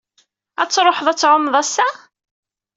Ad truḥeḍ ad tɛummeḍ ass-a?